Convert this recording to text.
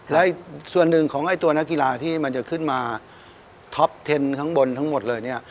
และส่วนหนึ่งของไอ้ตัวนักกีฬาที่มันจะขึ้นมาท็อปเทนข้างบนทั้งหมดเลยเนี่ย